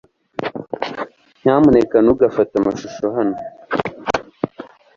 Nyamuneka ntugafate amashusho hano .